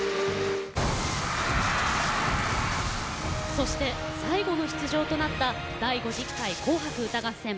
そして、最後の出場となった第５０回「紅白歌合戦」。